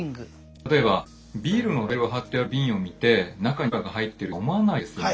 例えばビールのラベルを貼ってある瓶を見て中にコーラが入ってるとは思わないですよね。